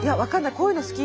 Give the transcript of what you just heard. こういうの好き。